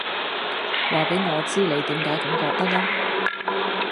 話畀我知你點解咁覺得啦